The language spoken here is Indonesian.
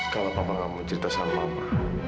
kalau papa enggak mau cerita sama mama